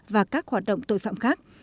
và các hoạt động tội phạm khác